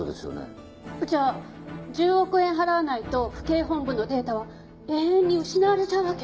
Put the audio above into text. じゃあ１０億円払わないと府警本部のデータは永遠に失われちゃうわけ？